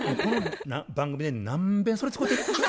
番組で何べんそれ使うてる？